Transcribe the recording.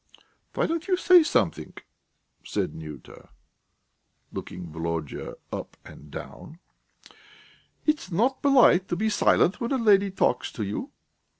"Why don't you say something?" said Nyuta, looking Volodya up and down. "It's not polite to be silent when a lady talks to you.